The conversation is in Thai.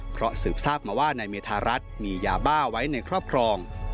เพราะสืบทราบมาว่านายเมธารัฐมียาบ้าไว้ในครอบครอง